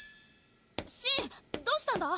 シンどうしたんだ！？